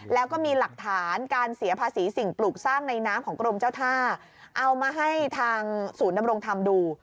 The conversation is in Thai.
แล้วก็มีหลักฐานการเสียภาษีสิ่งปลูกสร้างในน้ำของกรมเจ้าท่าเอามาให้ทางศูนย์ดำรงธรรมดู